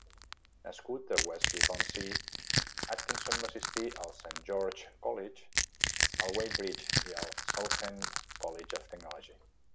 Nascut a Westcliff-on-Sea, Atkinson va assistir al Saint George's College, al Weybridge i al Southend College of Technology.